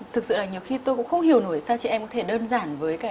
thực sự là nhiều khi tôi cũng không hiểu nổi sao chị em có thể đơn giản với cái